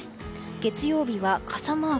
月曜日は傘マーク。